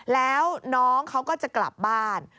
แล้วน้องเขาก็จะกลับบ้าน